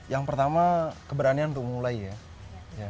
yang pertama keberanian untuk memulai ya